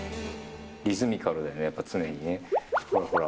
リズミカルだよね、やっぱり常にね。ほらほら。